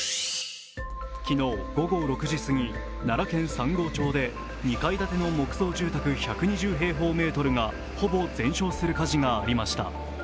昨日午後６時過ぎ、奈良県三郷町で２階建ての木造住宅１２０平方メートルがほぼ全焼する火事がありました。